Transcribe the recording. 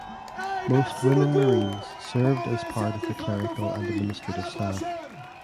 Most women Marines served as part of the clerical and administrative staff.